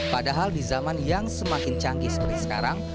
padahal di zaman yang semakin canggih seperti sekarang